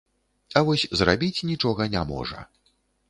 А вось зрабіць нічога не можа.